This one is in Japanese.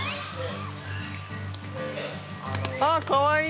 あっかわいい！